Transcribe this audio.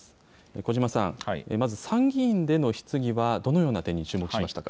小嶋さん、まず参議院での質疑はどのような点に注目しましたか。